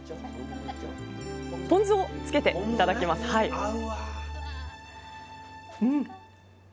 ポン酢をつけていただきますさあ